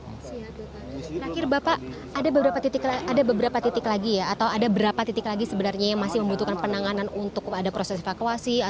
terakhir bapak ada beberapa titik lagi ya atau ada berapa titik lagi sebenarnya yang masih membutuhkan penanganan untuk ada proses evakuasi